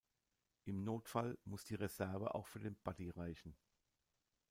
Im Notfall muss die Reserve auch für den Buddy reichen.